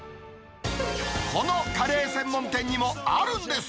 このカレー専門店にもあるんです。